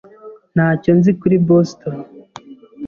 Ntacyo nzi kuri Boston.